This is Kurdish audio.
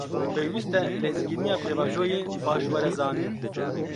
Pêwîst e lezgîniya pêvajoyê, baş were zanîn